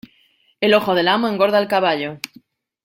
El ojo del amo, engorda al caballo.